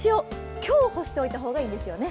今日干しておいた方がいいんですよね。